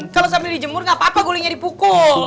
kalau sambil dijemur nggak apa apa gulingnya dipukul